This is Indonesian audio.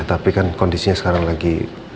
tapi kan kondisinya sekarang lagi